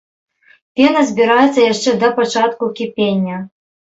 Пена збіраецца яшчэ да пачатку кіпення.